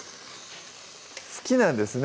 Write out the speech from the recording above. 好きなんですね